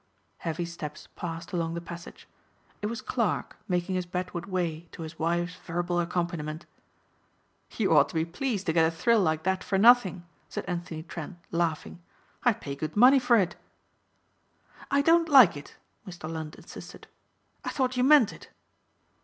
Heavy steps passed along the passage. It was Clarke making his bedward way to his wife's verbal accompaniment. "You ought to be pleased to get a thrill like that for nothing," said Anthony Trent laughing. "I'd pay good money for it." "I don't like it," Mr. Lund insisted. "I thought you meant it."